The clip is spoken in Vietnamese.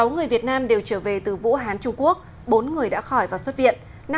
sáu người việt nam đều trở về từ vũ hán trung quốc bốn người đã khỏi và xuất viện